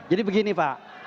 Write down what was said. jadi begini pak